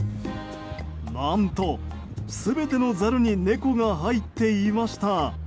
何と、全てのザルに猫が入っていました。